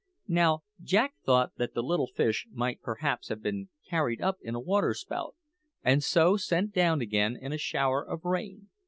Now, Jack thought that the little fish might perhaps have been carried up in a waterspout, and so sent down again in a shower of rain.